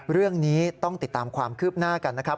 เรื่องนี้ต้องติดตามความคืบหน้ากันนะครับ